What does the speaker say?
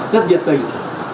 rất nhiệt tình